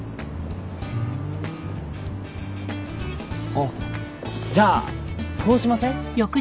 あっじゃあこうしません？